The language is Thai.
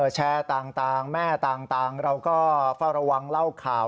แชร์ต่างแม่ต่างเราก็เฝ้าระวังเล่าข่าว